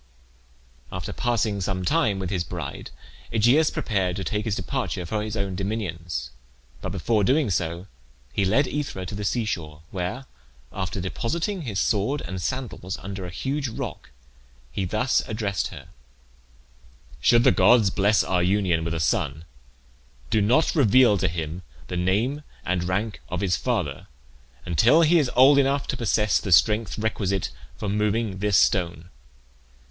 After passing some time with his bride, Aegeus prepared to take his departure for his own dominions; but before doing so he led Aethra to the sea shore, where, after depositing his sword and sandals under a huge rock, he thus addressed her: "Should the gods bless our union with a son, do not reveal to him the name and rank of his father until he is old enough to possess the strength requisite for moving this stone.